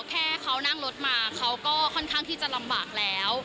แค่เขานั่งรถมาเขาก็ค่อนข้างที่จะลำบากแล้ว